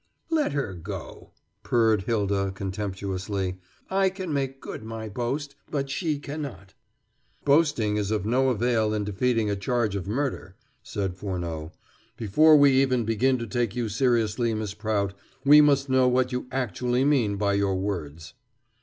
"Let her go," purred Hylda contemptuously. "I can make good my boast, but she cannot." "Boasting is of no avail in defeating a charge of murder," said Furneaux. "Before we even begin to take you seriously, Miss Prout, we must know what you actually mean by your words."